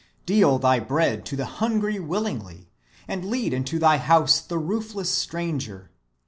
Deal thy bread to the hungry willingly, and lead into thy house the roofless stranger.